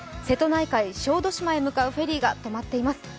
瀬戸内海小豆島に向かうフェリーが止まっています